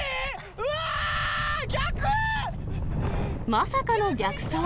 まさかの逆走。